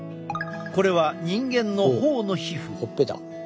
これは人間のほおの皮膚。